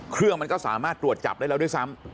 เครื่องมันก็สามารถตรวจจับได้แล้วด้วยซ้ำ